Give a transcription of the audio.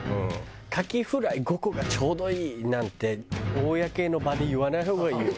カキフライ５個がちょうどいいなんて公の場で言わない方がいいよ。